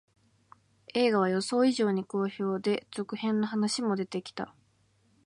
映画は予想以上に好評で、続編の話も出てきた